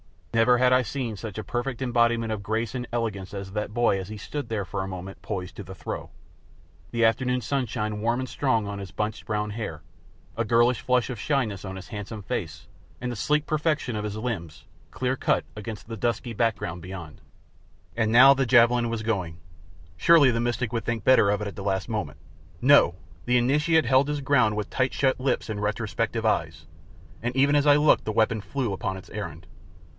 Never had I seen such a perfect embodiment of grace and elegance as that boy as he stood there for a moment poised to the throw; the afternoon sunshine warm and strong on his bunched brown hair, a girlish flush of shyness on his handsome face, and the sleek perfection of his limbs, clear cut against the dusky background beyond. And now the javelin was going. Surely the mystic would think better of it at the last moment! No! the initiate held his ground with tight shut lips and retrospective eyes, and even as I looked the weapon flew upon its errand.